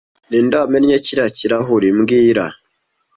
Ninde wamennye kiriya kirahure mbwira